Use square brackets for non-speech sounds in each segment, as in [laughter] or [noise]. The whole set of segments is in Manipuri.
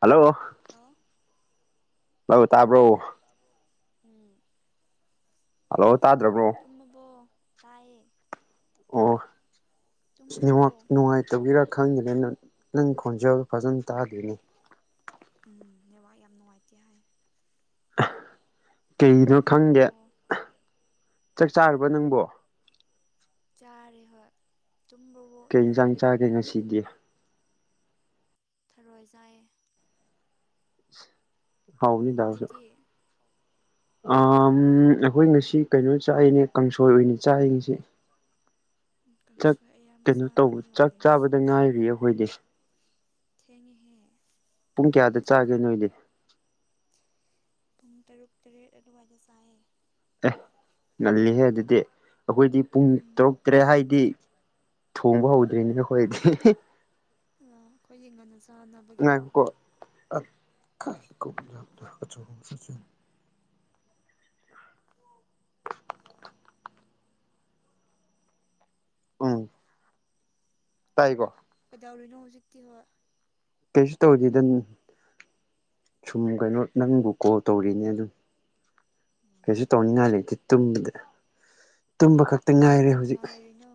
ꯍꯜꯂꯣ ꯍꯜꯂꯣ ꯇꯥꯕ꯭ꯔꯣ ꯇꯥꯕ꯭ꯔꯣ ꯇꯥꯕ꯭ꯔꯣ ꯎꯝ ꯍꯜꯂꯣ ꯇꯥꯗ꯭ꯔꯕ꯭ꯔꯣ ꯇꯨꯝꯃꯕꯣ ꯇꯥꯏꯌꯦ ꯑꯣ ꯁꯤ ꯇꯨꯝꯈ꯭ꯔꯕꯣ ꯅꯨꯋꯥꯛ ꯅꯨꯡꯉꯥꯏꯇꯕꯩꯔꯥ ꯈꯪꯗ꯭ꯔꯦ ꯅ ꯅꯪ ꯈꯣꯟꯖꯦꯜ ꯐꯖꯅ ꯇꯥꯗꯦꯅꯦ ꯎꯝ ꯅꯦꯋꯥꯛ ꯌꯥꯝ ꯅꯨꯡꯉꯥꯏꯇꯦ ꯍꯥꯏ ꯀꯩꯅꯣ ꯇꯨꯝꯈ꯭ꯔꯕꯣ ꯈꯪꯗꯦ ꯆꯥꯛ ꯆꯥꯔꯕ ꯅꯪꯕꯣ ꯆꯥꯔꯦ ꯍꯣꯏ ꯇꯨꯝꯕ꯭ꯔꯥꯕꯨ ꯀꯩ ꯅꯪꯗꯤ ꯏꯟꯖꯥꯡ ꯆꯥꯒꯦ ꯀꯩꯗꯧꯔꯤꯅꯣ ꯉꯁꯤꯗꯤ ꯊꯔꯣꯏ ꯆꯥꯏꯌꯦ ꯍꯥꯎꯕꯅꯤ ꯗꯥꯜꯁꯨ ꯅꯣꯏꯗꯤ ꯑꯥ ꯑꯝ ꯑꯩꯈꯣꯏ ꯉꯁꯤ ꯀꯩꯅꯣ ꯆꯥꯏꯏꯅꯦ ꯀꯥꯡꯁꯣꯏ ꯑꯣꯏꯅ ꯆꯥꯏ ꯉꯁꯤ ꯆ ꯆꯥꯛ ꯀꯩꯅꯣ ꯇꯧꯕ ꯆꯥꯛ ꯃꯥꯜꯂꯦ ꯃꯤꯁꯦ ꯆꯥꯕꯗ ꯉꯥꯏꯔꯤ ꯑꯩꯈꯣꯏꯗꯤ ꯊꯦꯡꯉꯦꯍꯦ ꯄꯨꯡ ꯀꯌꯥꯗ ꯆꯥꯒꯦ ꯅꯣꯏꯗꯤ ꯄꯨꯡ ꯇꯔꯨꯛ ꯇꯔꯦꯠ ꯑꯗꯨꯋꯥꯏꯗ ꯆꯥꯏꯌꯦ ꯑꯦ ꯅꯜꯂꯤꯍꯦ ꯑꯗꯨꯗꯤ ꯑꯩꯈꯣꯏꯗꯤ ꯄꯨꯡ ꯎꯝ ꯇꯔꯨꯛ ꯇꯔꯦꯠ ꯍꯥꯏꯗꯤ ꯊꯣꯡꯕ ꯍꯧꯗ꯭ꯔꯤꯅꯤꯅꯈꯣꯏꯗꯤ ꯑꯣ ꯈꯣꯏꯗꯤ ꯉꯟꯅ ꯆꯥ ꯉꯥꯏꯈꫭꯀꫭ [unintelligible] ꯎꯝ ꯇꯥꯏꯀꯣ ꯀꯩꯗꯧꯔꯤꯅꯣ ꯍꯧꯖꯤꯛꯇꯤ ꯍꯣ ꯀꯩꯁꯨ ꯇꯧꯗꯦꯗ ꯅꯤ ꯁꯨꯝ ꯀꯩꯅꯣ ꯅꯪꯕꯨ ꯀꯣꯜ ꯇꯧꯔꯤꯅꯦ ꯑꯗꯨꯝ ꯀꯩꯁꯨ ꯇꯧꯅꯤꯡꯉꯥꯏ ꯂꯩꯇꯦ ꯇꯨꯝꯕꯗ ꯇꯨꯝꯕ ꯈꯛ ꯀꯅꯥ ꯀꯅꯥ ꯂꯩꯔꯤꯅꯣ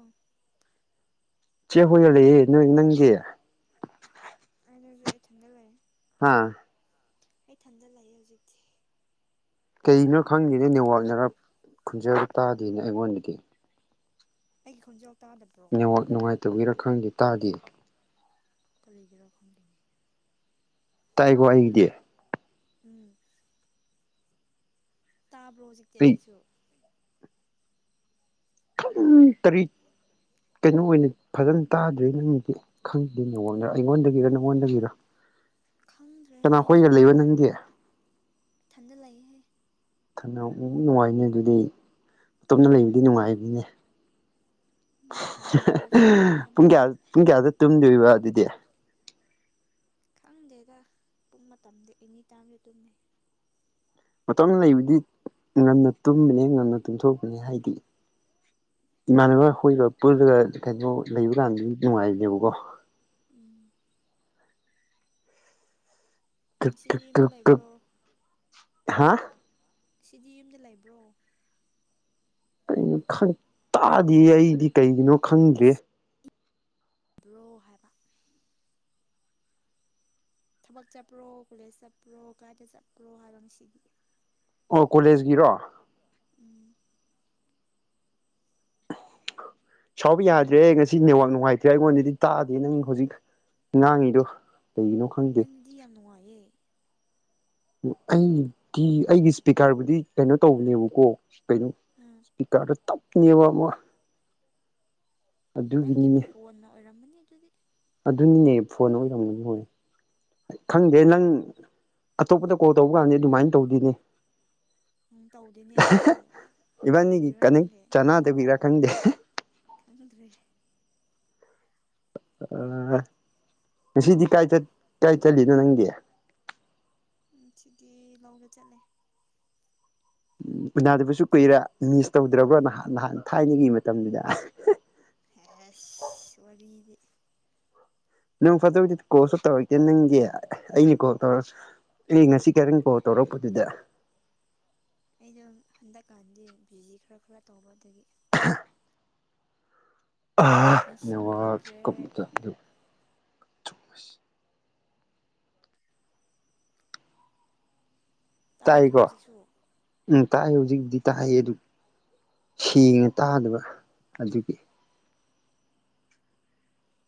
ꯆꯦ ꯍꯣꯏꯒ ꯂꯩꯌꯦ ꯅꯣꯏ ꯅꯪꯗꯤ ꯑꯩꯅꯁꯨ ꯏꯊꯟꯗ ꯂꯩ ꯍꯥꯥ ꯑꯩ ꯊꯟꯗ ꯂꯩꯌꯦ ꯍꯧꯖꯤꯛꯇꯤ ꯀꯒꯤꯅꯣ ꯈꯪꯗꯦꯅꯦ ꯅꯦꯠꯋꯥꯛꯅꯔ ꯈꯨꯟꯖꯦꯜꯗ ꯇꯥꯗꯦꯅ ꯑꯩꯉꯣꯟꯗꯒꯤ ꯑꯩꯒꯤ ꯈꯣꯟꯖꯦꯜ ꯇꯥꯗꯕ꯭ꯔꯣ ꯅꯦꯋꯥꯛ ꯅꯨꯡꯉꯥꯏꯇꯕꯒꯤꯔꯥ ꯈꯪꯗꯦ ꯇꯥꯗꯦ ꯀꯔꯤꯒꯤꯔ ꯈꯪꯗꯦꯅꯦ ꯇꯥꯏ ꯀꯣ ꯑꯩꯒꯤꯗꯤ ꯎꯝ ꯇꯥꯕ꯭ꯔꯣ ꯍꯧꯖꯤꯛꯇꯤ ꯑꯩ ꯑꯩꯒꯤꯁꯨ ꯈꯪ ꯇꯔꯤꯠ ꯀꯩꯅꯣ ꯑꯣꯏꯅ ꯐꯖꯅ ꯇꯥꯗ꯭ꯔꯔꯤ ꯅꯃꯤꯗꯤ ꯈꯪꯗꯦ ꯅꯪꯉꯣꯟꯗ ꯑꯩꯉꯣꯟꯗꯒꯤꯔ ꯅꯪꯉꯣꯟꯗꯒꯤꯔꯣ ꯈꯪꯗ꯭ꯔꯦꯗ ꯑꯩꯁꯨ ꯂꯩꯕ ꯅꯪꯗꯤ ꯏꯊꯟꯗ ꯂꯑꯦꯍꯦ ꯈꯅꯥꯎ ꯅꯨꯡꯉꯥꯏꯅꯦ ꯑꯗꯨꯗꯤ ꯇꯨꯃꯤꯟꯅ ꯂꯩꯕꯗꯤ ꯅꯨꯡꯉꯥꯏꯕꯅꯤꯅꯦ꯫ ꯎꯝ ꯅꯨꯡꯉꯥꯏꯗ꯭ꯔꯁꯨ ꯅꯨꯡꯉꯥꯏ ꯍꯥꯏꯕ ꯄꯨꯡ ꯀꯌꯥ ꯇꯥꯔꯦ ꯄꯨꯡ ꯀꯌꯥꯗ ꯇꯨꯝꯗꯣꯏꯕ ꯑꯗꯨꯗꯤ ꯈꯪꯗꯦꯗ ꯄꯨꯝ ꯃꯇꯝꯗ ꯑꯦꯅꯤ ꯇꯥꯏꯝꯁꯨ ꯇꯨꯝꯃꯦ ꯃꯇꯝ ꯂꯩꯕꯨꯗꯤ ꯉꯟꯅ ꯇꯨꯝꯕꯅꯤ ꯉꯟꯅ ꯇꯨꯝꯊꯣꯛꯄꯅꯦ ꯍꯥꯏꯗꯤ ꯏꯃꯥꯟꯅꯕ ꯑꯩꯈꯣꯏꯒ ꯄꯨꯜꯂꯒ ꯀꯩꯅꯣ ꯂꯩꯕ ꯀꯥꯟꯗꯗꯤ ꯅꯨꯡꯉꯥꯏꯔꯤꯅꯦꯕꯀꯣ ꯎꯝ ꯉꯁꯤꯗꯤ ꯌꯨꯝꯗ ꯂꯩꯕ꯭ꯔꯣ ꯍꯥ ꯁꯤꯗꯤ ꯌꯨꯝꯗ ꯂꯩꯕ꯭ꯔꯣ ꯑꯩꯅ ꯈ ꯇꯥꯗꯦ ꯑꯩꯗꯤ ꯀꯩꯒꯤꯅꯣ ꯈꯪꯗ꯭ꯔꯦ ꯑꯗꯨ꯭ꯔꯣ ꯍꯥꯏꯕ ꯊꯕꯛ ꯆꯠꯄ꯭ꯔꯣ ꯀꯣꯂꯦꯖ ꯆꯠꯄ꯭ꯔꯣ ꯀꯥꯏꯗ ꯆꯠꯄ꯭ꯔꯣ ꯍꯥꯏꯕꯣ ꯉꯁꯤꯗꯤ ꯑꯣ ꯀꯣꯂꯦꯖꯀꯤꯔꯣ ꯎꯝ ꯁꯥꯎꯕ ꯌꯥꯗ꯭ꯔꯦ ꯉꯁꯤ ꯅꯦꯋꯥꯛ ꯅꯨꯡꯉꯥꯏꯇ꯭ꯔꯦ ꯑꯩꯉꯣꯟꯗꯗꯤ ꯇꯥꯗꯦ ꯅꯪ ꯍꯧꯖꯤꯛ ꯉꯥꯡꯉꯤꯗꯣ ꯀꯩꯒꯤꯅꯣ ꯈꯪꯗꯦ ꯅꯪꯗꯤ ꯌꯥꯝ ꯅꯨꯡꯉꯥꯏꯌꯦ ꯑꯩꯒꯤ ꯑꯩꯒꯤ ꯏꯁꯄꯤꯀꯔꯕꯨꯗꯤ ꯀꯩꯅꯣ ꯇꯧꯕꯅꯦꯕꯀꯣ ꯀꯩꯅꯣ ꯑꯥ ꯇꯤꯀꯥꯗꯣ ꯇꯞꯅꯦꯕ ꯑꯃ ꯅꯪꯒꯤ ꯑꯗꯨꯒꯤꯅꯤꯅꯦ ꯐꯣꯟꯅ ꯑꯣꯏꯔꯝꯕꯅꯤ ꯑꯗꯨꯗꯤ ꯑꯗꯨꯅꯤꯅꯦ ꯐꯣꯟ ꯑꯣꯏꯔꯝꯒꯅꯤ ꯍꯣꯏ ꯈꯪꯗꯦ ꯅꯪ ꯑꯇꯣꯞꯄꯗ ꯀꯣꯜ ꯇꯧꯕ ꯀꯥꯟꯗꯤ ꯑꯗꯨꯃꯥꯏꯅ ꯇꯧꯗꯣꯏꯅꯦ ꯎꯝ ꯇꯧꯗꯦꯅꯦ ꯑꯩꯒꯤꯁꯨ ꯏꯕꯥꯅꯤꯒꯤ ꯀꯔꯤꯒꯤꯔꯥ ꯀꯅꯦꯛ ꯈꯪꯗꯦ ꯆꯥꯟꯅꯗꯕꯤꯔꯥ ꯈꯪꯗꯦ ꯀꯗꯔꯦ ꯉꯁꯤꯗꯤ ꯀꯥꯏ ꯀꯥꯏ ꯆꯠꯂꯤꯅꯣ ꯅꯪꯗꯤ ꯎꯝ ꯁꯤꯗꯤ ꯂꯧꯗ ꯆꯠꯂꯦ ꯎ ꯎꯅꯥꯗꯕꯁꯨ ꯀꯨꯏꯔꯦ ꯃꯤꯁ ꯇꯧꯗ꯭ꯔꯕ꯭ꯔꯣ ꯅꯍꯥꯟ ꯅꯍꯥꯟ ꯊꯥꯏꯅꯒꯤ ꯃꯇꯝꯗꯨꯗ ꯑꯦ ꯋꯥꯔꯤꯗꯤ ꯅꯪ ꯐꯗꯣꯛꯁꯨ ꯀꯣꯜꯁꯨ ꯇꯧꯔꯛꯇꯦ ꯅꯪꯒꯤ ꯑꯩꯅ ꯀꯣꯜ ꯇꯧꯔ ꯑꯦ ꯉꯁꯤ ꯀꯔꯪ ꯀꯥꯎ ꯇꯧꯔꯛꯄꯗꯨꯗ ꯑꯩꯅ ꯍꯟꯗꯛꯀꯥꯟꯗꯤ ꯕꯤꯖꯤ ꯈꯔ ꯈꯔ ꯇꯧꯕꯗꯒꯤ [unintelligible] ꯋꯥ ꯅꯦꯠꯋꯥꯛ ꯅꯤꯡꯁꯤꯡꯕꯤꯗ꯭ꯔꯦ ꯇꯥꯗ꯭ꯔꯣ ꯇꯥꯏꯀꯣ ꯍꯧꯖꯤꯛꯁꯨ ꯎꯝ ꯇꯥꯛ ꯍꯧꯖꯤꯛꯗꯤ ꯇꯥꯛ ꯑꯗꯨ ꯁꯦꯡꯉꯦ ꯇꯥꯗꯕ ꯑꯗꯨꯒꯤ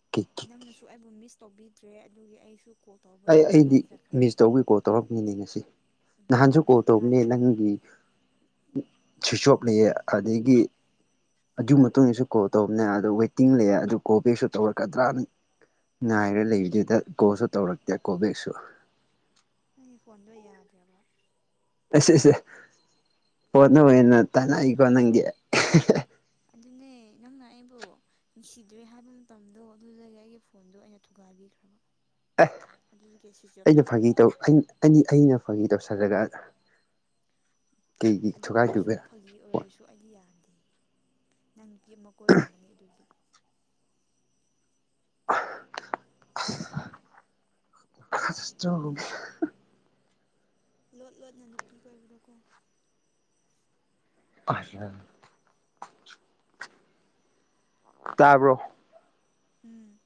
ꯀꯤ ꯅꯪꯅꯁꯨ ꯑꯩꯕꯨ ꯃꯤꯁ ꯇꯧꯕꯤꯗ꯭ꯔꯦ ꯑꯗꯨꯒꯤ ꯑꯩꯁꯨ ꯀꯣꯛ ꯑꯩ ꯑꯩꯗꯤ ꯃꯤꯁ ꯇꯧꯕꯒꯤ ꯀꯣꯜ ꯇꯧꯔꯛꯃꯤꯅꯤ ꯉꯁꯤ ꯎꯝ ꯅꯍꯥꯟꯁꯨ ꯀꯣ ꯑꯩꯗꯤ ꯇꯧꯕꯅꯦ ꯏꯀꯥꯏꯖꯈ꯭ꯔꯦ ꯂꯪꯒꯤ ꯁꯨꯁꯣꯞꯅꯤꯑꯌꯦ ꯑꯗꯒꯤ ꯑꯗꯨꯒꯤ ꯃꯇꯨꯡ ꯏꯗꯁꯨ ꯀꯣꯜ ꯇꯧꯕꯅꯦ ꯑꯗꯣ ꯋꯦꯇꯤꯡ ꯂꯩ ꯑꯗꯨ ꯀꯣꯜ ꯕꯦꯛꯁꯨ ꯇꯧꯔꯛꯀꯗ꯭ꯔꯥꯅꯤ ꯉꯅꯥꯏꯔ ꯂꯩꯔꯤꯗꯨꯗ ꯀꯣꯁꯨ ꯇꯧꯔꯛꯇꯦ ꯀꯣ ꯕꯦꯛꯁꯨ ꯅꯪꯒꯤ ꯐꯣꯟꯗꯣ ꯌꯥꯗ꯭ꯔꯕ ꯑꯁꯤꯁꯦ ꯄꯣꯠꯅ ꯑꯣꯏꯅ ꯇꯥꯅꯏꯀꯣ ꯅꯪꯒꯤ ꯑꯗꯨꯅꯦ ꯅꯪꯅ ꯑꯩꯕꯨꯣ ꯅꯨꯡꯁꯤꯗ꯭ꯔꯦ ꯍꯥꯏꯕ ꯃꯇꯝꯗꯣ ꯑꯗꯨꯗꯒꯤ ꯑꯩꯒꯤ ꯐꯣꯟꯗꯣ ꯑꯩꯅ ꯊꯨꯒꯥꯏꯕꯤꯈ꯭ꯔꯕ ꯑꯦ ꯑꯗꯨꯗꯒꯤ ꯁ꯭ꯋꯤꯆ ꯑꯣꯐ ꯑꯩꯅ ꯐꯥꯒꯤ ꯊꯝꯈ꯭ꯔꯕ ꯇꯧ ꯑꯩꯅ ꯐꯥꯒꯤ ꯇꯧꯁꯜꯂꯒ ꯀꯩꯒꯤ ꯎ ꯑꯗꯨ ꯑꯣꯏꯔꯁꯨ ꯊꯨꯒꯥꯏꯗꯨꯒꯦ ꯐꯥꯒꯤ ꯑꯣꯏꯔꯁꯨ ꯑꯩꯗꯤ ꯌꯥꯗꯦ ꯅꯪ ꯅꯨꯄꯤ ꯑꯃ ꯀꯣꯏꯔꯝꯕꯅꯤ ꯑꯗꯨꯗꯤ [unintelligible] ꯂꯣꯠ ꯂꯣꯠꯅ ꯅꯨꯄꯤ ꯀ ꯑꯣꯏꯕꯗꯀꯣ ꯀꯁꯤꯅ ꯇꯥꯕ꯭ꯔꯣ ꯇꯥꯔꯕ꯭ꯔꯣ ꯎꯝ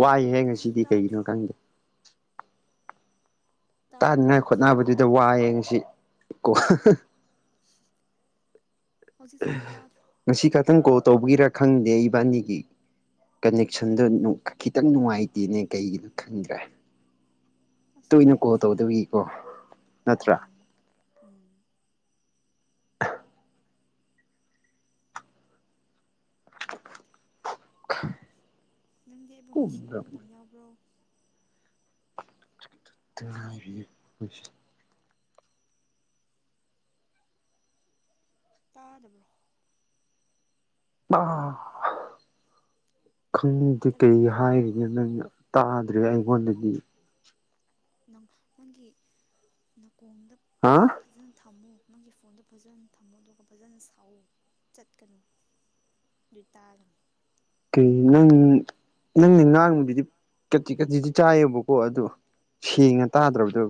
ꯋꯥꯏꯍꯦ ꯍꯧꯖꯤꯛꯁꯨ ꯉꯁꯤꯗꯤ ꯀꯩꯒꯤꯅꯣ ꯇꯥꯗ꯭ꯔꯣ ꯈꯪꯗꯦ ꯇꯥꯔꯕꯣ ꯇꯥꯅꯉꯥꯏ ꯍꯧꯖꯤꯛꯇꯤ ꯈꯣꯠꯅꯕꯗꯨꯗ ꯋꯥ ꯌꯦꯡꯁꯤ ꯀꯣ ꯍꯧꯖꯤꯛꯁꯨ ꯑꯃꯨꯛ ꯇꯥꯗ꯭ꯔꯣ ꯉꯁꯤ ꯈꯛꯇꯪ ꯀꯣꯜ ꯇꯧꯕꯒꯤꯔꯥ ꯈꯪꯗꯦ ꯏꯕꯥꯅꯤꯒꯤ ꯀꯅꯦꯛꯁꯟꯗꯣ ꯈꯤꯇꯪ ꯅꯨꯡꯉꯥꯏꯇꯦꯅꯦ ꯀꯩꯒꯤꯅꯣ ꯈꯪꯗ꯭ꯔꯦ ꯑꯁ ꯇꯣꯏꯅ ꯀꯣꯜ ꯑꯩꯒꯤꯁꯨ ꯌꯥꯗꯝ ꯇꯧꯗꯕꯒꯤꯀꯣ ꯅꯠꯇ꯭ꯔꯥ ꯎꯝ [inaudible] ꯅꯪꯗꯤ ꯑꯩꯕꯨ ꯅꯤꯡꯁꯤꯡꯕ ꯃꯇꯝ ꯌꯥꯎꯕ꯭ꯔꯣ ꯑꯗꯨꯉꯥꯏꯔꯤꯌꯦ ꯑꯩꯈ ꯇꯥꯗꯕ꯭ꯔꯥ ꯑ ꯈꯪꯅꯤꯡꯗꯤꯦ ꯀꯔꯤ ꯍꯥꯏꯔꯤꯒꯦ ꯅꯪꯅ ꯇꯥꯗ꯭ꯔꯦ ꯑꯩꯉꯣꯟꯗꯗꯤ ꯅꯍ ꯅꯪꯒꯤ ꯅꯥꯀꯣꯡꯗ ꯍꯥ ꯐꯖꯅ ꯊꯝꯃꯣ ꯅꯪꯒꯤ ꯐꯣꯟꯗꯣ ꯐꯖꯅ ꯊꯝꯃꯣ ꯑꯗꯨꯒ ꯐꯖꯅ ꯁꯥꯎꯑꯣ ꯆꯠꯀꯅꯨ ꯑꯗꯨ ꯇꯥꯒꯅꯤ ꯀꯩ ꯅꯪ ꯅꯪꯗꯤ ꯉꯥꯡ ꯑꯗꯨꯗꯤ ꯀꯖꯤꯤ ꯀꯖꯤꯤꯗꯤ ꯆꯥꯏꯑꯕꯀꯣ ꯑꯗꯨꯗꯣ ꯁꯦꯡꯅ ꯇꯥꯗ꯭ꯔꯕꯗꯨ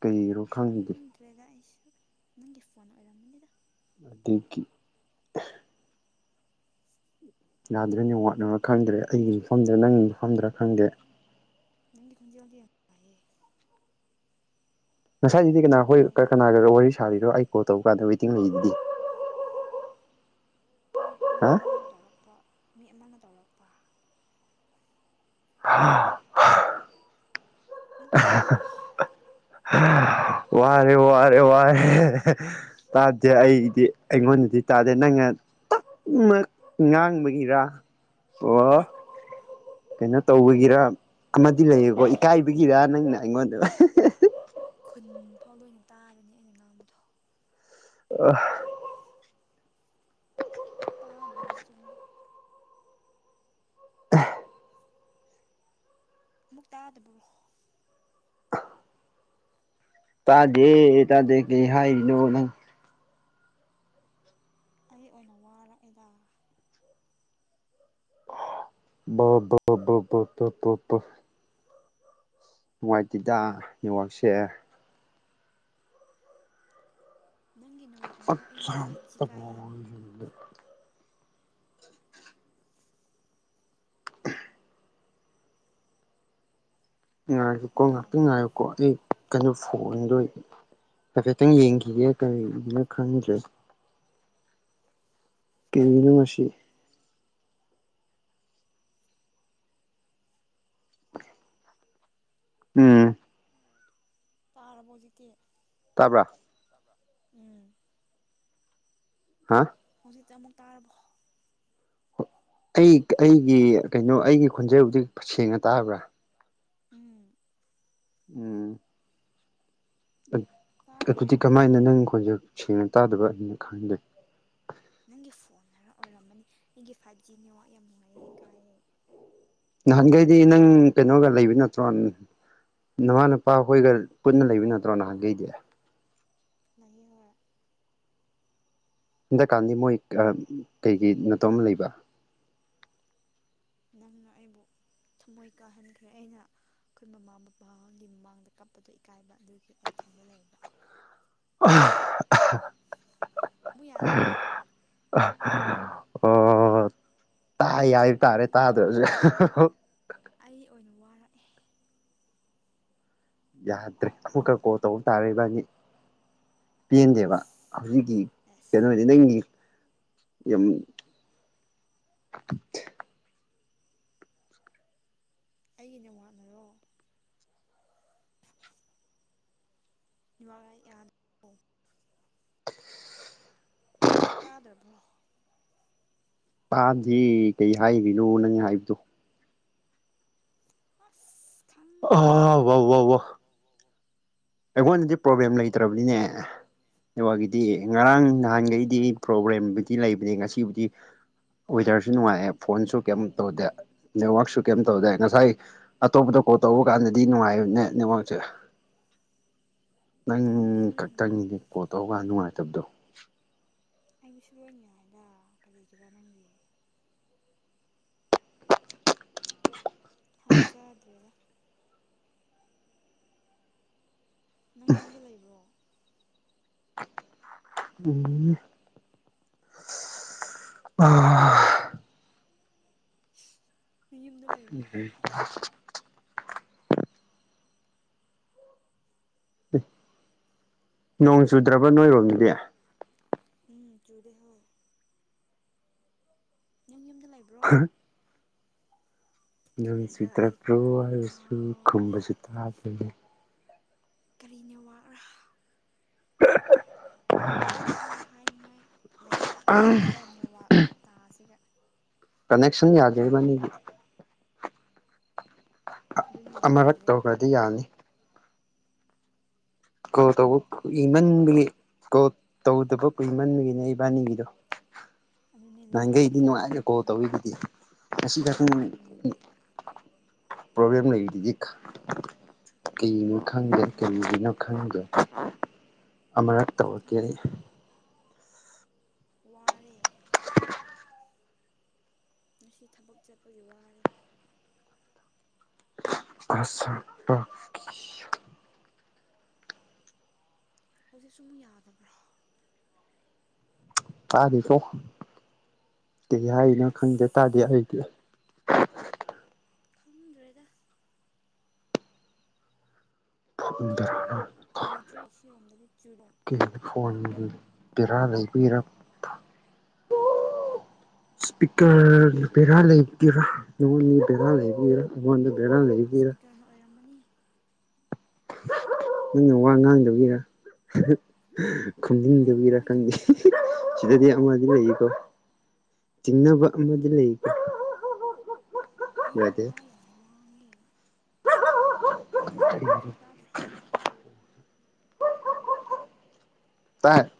ꯀꯩꯔꯣ ꯈꯪꯈꯤꯒꯦ ꯇ꯭ꯔꯦꯒꯥꯛ ꯑꯁꯨ ꯅꯪꯒꯤ ꯐꯣꯟ ꯑꯣꯏꯔꯝꯃꯤ ꯂꯩꯗ ꯑꯗꯨꯗꯒꯤ ꯌꯥꯗ꯭ꯔꯅꯤ ꯋꯥꯠꯅꯕ ꯈꯪꯗ꯭ꯔꯦ ꯑꯩꯒꯤ ꯃꯐꯝꯗꯔ ꯅꯪꯒꯤ ꯃꯐꯝꯗꯔꯥ ꯈꯪꯗꯦ ꯅꯪꯒꯤ ꯈꯣꯟꯖꯦꯜꯗꯤ ꯌꯥꯝ ꯌꯥꯥꯏꯑꯌꯦ ꯉꯁꯥꯏꯁꯤꯗꯤ ꯀꯅꯥ ꯌꯥꯝ ꯍꯣꯏ ꯇꯥꯏꯌꯦ ꯀꯅꯥꯒꯔꯣ ꯋꯥꯔꯤ ꯁꯥꯔꯤꯔꯣ ꯑꯩ ꯀꯣꯜ ꯇꯧꯕ ꯀꯥꯟꯗ ꯋꯦꯇꯤꯡ ꯂꯩꯗꯨꯗꯤ ꯍꯣꯏ ꯃꯤ ꯍꯥ ꯑꯃꯅ ꯇꯧꯔꯛꯄ ꯃꯤ ꯑꯃꯅ ꯇꯧꯔꯛꯄ ꯍꯥ ꯅ ꯇꯥꯗ꯭ꯔꯕꯣ ꯍꯥ ꯋꯥꯔꯦ ꯋꯥꯔꯦ ꯋꯥꯔꯦ ꯇꯥꯗꯦ ꯑꯩꯗꯤ ꯑꯩꯉꯣꯟꯗꯗꯤ ꯇꯥꯗꯦ ꯅꯪꯅꯃꯛ ꯉꯥꯡꯕꯒꯤꯔ ꯑꯣ ꯍꯦꯛ ꯀꯩꯅꯣ ꯇꯧꯕꯒꯤꯔ ꯑꯃꯗꯤ ꯂꯩꯌꯦꯀꯣ ꯏꯀꯥꯏꯕꯒꯤꯔ ꯅꯪꯅ ꯑꯩꯉꯣꯟꯗ ꯈꯨꯟ ꯐꯥꯎꯗ ꯑꯣꯏꯅ ꯇꯥꯔꯅꯤ ꯑꯩꯅ ꯉꯥꯡꯕꯗꯣ ꯑ ꯑ ꯇꯥꯗꯅ ꯍꯧꯖꯤ ꯇꯉꯣ ꯑ [inaudible] ꯃꯨꯛ ꯇꯥꯗꯕ꯭ꯔꯣ ꯇꯖꯦ ꯇꯖꯦ ꯀꯩ ꯍꯥꯏꯅꯣꯅꯪ ꯑꯩ ꯑꯣꯏꯅ ꯋꯥꯔꯛꯑꯦꯗ ꯕꯥ ꯕꯥ ꯕꯥ ꯄꯕꯥ ꯄ ꯄ ꯄ ꯅꯨꯡꯉꯥꯏꯇꯦꯗ ꯅꯦꯠꯋꯥꯛꯁꯦ ꯅꯪꯒꯤ ꯅ ꯋꯥꯥꯛꯅꯔꯣ ꯑꯠꯆꯥ ꯑꯩꯒꯤꯗꯤ ꯐꯥꯏꯚ ꯖꯤ ꯀꯥꯏꯌꯦ ꯉꯥꯏꯌꯨꯀꯣ ꯑꯃꯨꯛ ꯉꯥꯛꯇꯪ ꯌꯥꯗ꯭ꯔꯣ ꯉꯥꯏꯌꯨꯀꯣ ꯑꯩ ꯀꯩꯅꯣ ꯐꯣꯟꯗꯣꯏ ꯍꯥꯏꯐꯦꯠꯇꯪ ꯌꯦꯡꯒꯦ [unintelligible] [unintelligible] [unintelligible] [inaudible] ꯎꯝ ꯎꯝ ꯇꯥꯔꯕꯣ ꯍꯧꯖꯤꯛꯇꯤ ꯇꯥꯕ꯭ꯔꯥ ꯇꯥꯕ꯭ꯔꯥ ꯎꯝ ꯍꯥ ꯍꯧꯖꯤꯛ ꯆꯥꯃꯨꯛ ꯇꯥꯔꯕꯣ ꯑꯩ ꯑꯩꯒꯤ ꯀꯩꯅꯣ ꯑꯩꯒꯤ ꯈꯣꯟꯖꯦꯜꯗꯤ ꯁꯦꯡꯅ ꯇꯥꯕ꯭ꯔꯥ ꯎꯝ ꯎꯝ ꯇꯥꯗ꯭ꯔꯣ ꯑꯩꯒꯤꯗꯤ [unintelligible] ꯅꯪꯒꯤ ꯐꯣꯟꯅꯔ ꯑꯣꯏꯔꯝꯃꯅꯤ ꯑꯩꯒꯤ ꯐꯥꯏꯚ ꯖꯤ ꯅꯦꯠꯋꯥꯛ ꯌꯥꯝ ꯅꯨꯡꯉꯥꯏꯌꯦ ꯀꯥꯏꯌꯦ ꯅꯍꯥꯟꯒꯩꯗꯤ ꯅꯪ ꯀꯩꯅꯣꯒ ꯂꯩꯕ ꯅꯠꯇ꯭ꯔꯣ ꯅꯃꯥꯟꯅ ꯄꯥ ꯍꯣꯏꯒ ꯄꯨꯟꯅ ꯂꯩꯕ ꯅꯠꯇ꯭ꯔꯣ ꯅꯍꯥꯟꯒꯩꯗꯤ ꯂꯩꯌꯦ ꯍꯣꯏ ꯍꯟꯗꯛꯀꯥꯟꯗꯤ ꯃꯣꯏ ꯑ ꯀꯩꯒꯤ ꯅꯠꯇꯣꯝꯗ ꯂꯩꯕ ꯅꯪꯅ ꯑꯩꯕꯨ ꯊꯃꯣꯏ ꯀꯥꯏꯍꯟꯈ꯭ꯔꯦ ꯑꯩꯅ ꯑꯩꯈꯣꯏ ꯃꯃꯥ ꯕꯥꯕꯥꯒꯤ ꯃꯃꯥꯡꯗ ꯀꯞꯄꯗꯣ ꯏꯀꯥꯏꯕ ꯑꯗꯨꯒꯤ ꯑꯩ ꯊꯟꯗ ꯂꯩꯕ [unintelligible] ꯃꯨꯛ ꯌꯥꯗ꯭ꯔꯕꯣ ꯑꯣ ꯇꯥꯏ ꯍꯥꯏꯕ ꯇꯥꯔꯦ ꯇꯥꯗ꯭ꯔꯁꯨ ꯑꯩ ꯑꯣꯏꯅ ꯋꯥꯔꯛꯑꯦ ꯌꯥꯗ꯭ꯔꯦ ꯑꯃꯨꯛꯀ ꯀꯣꯜ ꯇꯧꯕ ꯇꯥꯔꯦ ꯏꯕꯥꯅꯤ ꯄꯦꯟꯗꯦꯕ ꯑꯁ ꯍꯧꯖꯤꯛꯀꯤ ꯑꯁ ꯀꯩꯅꯣꯗꯤ ꯅꯪꯒꯤ ꯌꯥꯝ ꯑꯩꯒꯤ ꯅꯦꯠꯋꯥꯛꯅꯔꯣ [unintelligible] ꯃꯨꯛ ꯇꯥꯗ꯭ꯔꯕꯣ ꯇꯥꯗꯦ ꯀꯩ ꯍꯥꯏꯔꯤꯅꯣ ꯅꯪ ꯍꯥꯏꯕꯗꯣ ꯑꯁ ꯑ ꯈꯪꯗ꯭ꯔꯦꯗ ꯋꯧ ꯋꯧ ꯋꯧ ꯑꯩꯉꯣꯟꯗꯗꯤ ꯄ꯭ꯔꯣꯕ꯭ꯂꯦꯝ ꯂꯩꯇ꯭ꯔꯕꯅꯤꯅꯦ ꯅꯦꯋꯥꯛꯒꯤꯗꯤ ꯉꯔꯥꯡ ꯅꯍꯥꯟꯒꯩꯗꯤ ꯄ꯭ꯔꯣꯕ꯭ꯔꯦꯝꯕꯨꯗꯤ ꯂꯩꯕꯅꯦ ꯉꯁꯤꯕꯨꯗꯤ ꯋꯦꯗꯔꯁꯨ ꯅꯨꯡꯉꯥꯏꯑꯦ ꯐꯣꯟꯁꯨ ꯀꯩꯝ ꯇꯧꯗꯦ ꯅꯦꯠꯋꯥꯛꯁꯨ ꯀꯩꯝ ꯇꯧꯗꯦ ꯉꯁꯥꯏ ꯑꯇꯣꯞꯄꯗ ꯀꯣꯜ ꯇꯧꯕ ꯀꯥꯟꯗꯗꯤ ꯅꯨꯡꯉꯥꯏꯕꯅꯦ ꯅꯦꯋꯥꯛꯁꯦ ꯅꯪ ꯅꯪꯒꯤꯁꯨ ꯌꯥꯝ ꯈꯛꯇꯪꯒꯤꯅꯦ ꯀꯣꯜ ꯅꯨꯡꯉꯥꯏꯇ꯭ꯔꯣ ꯇꯧꯔꯀꯥꯟ ꯅꯨꯡꯉꯥꯏꯇꯕꯗꯣ ꯑꯩꯒꯤꯁꯨ ꯂꯣꯏꯟ ꯌꯥꯏꯗ ꯀꯔꯤꯒꯤꯔ ꯅꯪꯒꯤ ꯈꯪꯖꯗ꯭ꯔꯦꯗ ꯅꯪ ꯌꯨꯝꯗ ꯂꯩꯕ꯭ꯔꯣ ꯎꯝ ꯑꯥ ꯨꯃꯌꯨꯝꯗ ꯂꯩ [unintelligible] ꯅꯣꯡ ꯆꯨꯗ꯭ꯔꯕ ꯅꯣꯏꯔꯣꯝꯗꯗꯤ ꯎꯝ ꯆꯨꯨꯗꯦ ꯍꯣ ꯅꯪ ꯌꯨꯝꯗ ꯂꯩꯕ꯭ꯔꯣ ꯅꯣꯡ ꯀꯔꯤꯔ ꯑꯩ ꯀꯣꯛ ꯆꯨꯗ꯭ꯔꯕ꯭ꯔꯣ ꯍꯥꯏꯔꯁꯨ ꯉꯥꯎꯔꯦꯗ ꯈꯨꯝꯕꯁꯨ ꯇꯥꯗꯦꯅꯦ ꯀꯔꯤ ꯅꯦꯋꯥꯔꯥ [unintelligible] ꯋꯥ ꯐꯥꯎ ꯍꯥꯏꯅꯤꯡꯉꯥꯏ ꯂꯩꯔꯛꯇꯣꯏꯗꯅꯦ ꯋꯥꯥꯛ ꯃꯇꯁꯤꯒ ꯀꯅꯦꯛꯁꯟ ꯌꯥꯗꯦ ꯏꯕꯥꯅꯤꯒꯤ ꯑꯗꯨꯅ ꯑꯃꯔꯛ ꯌꯥꯗ꯭ꯔꯦ ꯇꯧꯈ꯭ꯔꯗꯤ ꯌꯥꯅꯤ ꯀꯣꯜ ꯇꯧꯕ ꯀꯏꯃꯟꯕꯒꯤ ꯀꯣꯜ ꯇꯧꯗꯕ ꯀꯨꯏꯃꯟꯕꯒꯤꯅꯦ ꯏꯕꯥꯅꯤꯒꯤꯗꯣ ꯑꯗꯨꯅꯤ ꯂꯥꯏꯅ ꯅꯍꯥꯟꯈꯩꯗꯤ ꯁꯥꯎꯈ꯭ꯔꯦ ꯅꯨꯡꯉꯥꯏꯔꯦꯀꯣ ꯑꯩꯈꯣꯏꯅꯤꯕꯨ ꯇꯧꯔꯤꯗꯨꯗꯤ ꯉꯁꯤ ꯈꯛꯇꯪ ꯎꯝ ꯄ꯭ꯔꯣꯕ꯭ꯂꯦꯝ ꯂꯩꯔꯤꯗꯨꯗꯤ ꯎꯝ ꯀꯩꯅꯣ ꯈꯪꯗꯦ ꯑꯗꯨꯒꯤ ꯀꯔꯤꯒꯤꯅꯣ ꯑꯃꯔꯛ ꯑꯩꯁꯨ ꯇꯧꯔꯛꯀꯦ ꯈꯪꯗ꯭ꯔꯦ ꯋꯥꯔꯦ ꯉꯁꯤ ꯊꯕꯛ ꯆꯠꯄꯒꯤ ꯋꯥꯔꯦ [unintelligible] ꯍꯧꯖꯤꯛꯁꯨ ꯑꯃꯨꯛ ꯌꯥꯗꯕ꯭ꯔꯣ [unintelligible] ꯀꯩ ꯍꯥꯏꯅꯣ ꯈꯪꯗꯦ ꯑꯁ ꯇꯥꯗꯦ ꯑꯩꯗꯤ ꯈꯪꯗ꯭ꯔꯦꯗ [unintelligible] [unintelligible] ꯆꯨꯔꯣ ꯐꯣꯟ ꯕꯦꯔꯥ ꯂꯩꯕꯤꯔ ꯏꯁꯄꯤꯀꯔ ꯕꯦꯔꯥ ꯂꯩꯒꯦꯔꯥ ꯅꯉꯣꯟꯒꯤ ꯕꯦꯔꯥ ꯂꯩꯒꯦꯔꯥ ꯑꯩꯉꯣꯟꯗ ꯕꯦꯔꯥ ꯂꯩꯥ ꯁ꯭ꯄꯤꯀꯔꯅ ꯑꯣꯏꯔꯝꯃꯅꯤ ꯅꯪꯅ ꯋꯥ ꯉꯥꯡꯗꯕꯩꯔꯥ ꯑꯩ ꯈꯨꯝꯗꯤꯟꯗꯒꯤꯔꯥ ꯋꯥ ꯌꯥꯝ ꯈꯪꯗꯦ ꯉꯥꯡꯉꯦ ꯇꯥꯗ꯭ꯔꯣ ꯁꯤꯗꯗꯤ ꯑꯃꯗꯤ ꯂꯩꯌꯦꯀꯣ ꯆꯤꯡꯅꯕ ꯑꯃꯗꯤ ꯂꯩ ꯑꯩꯗꯣ ꯋꯥ ꯌꯥꯝ ꯋꯥꯡꯉꯦ ꯅꯪꯥꯏ ꯈꯣꯟꯖꯧ ꯇꯥꯗ꯭ꯔꯣ ꯇꯥꯏ